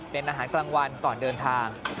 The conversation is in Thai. เป็นอาหารกลางวันก่อนเดินทาง